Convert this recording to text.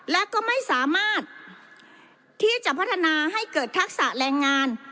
และก็ไม่สามารถที่จะพัฒนาให้เกิดทักษะแรงงาน